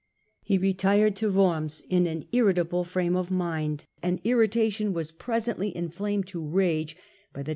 He retired to Worms in an irritable frame of mind, and irritation was presently inflamed to rage by the bS?